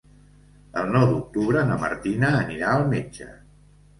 El nou d'octubre na Martina anirà al metge.